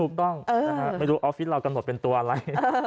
ถูกต้องนะฮะไม่รู้ออฟฟิศเรากำหนดเป็นตัวอะไร